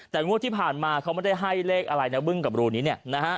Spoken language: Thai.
แต่ง่วงที่ผ่านมาเขาไม่ได้ให้เลขอะไรบึ้งกับบลูนี้